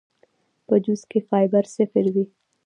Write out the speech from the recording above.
پۀ جوس کښې فائبر صفر وي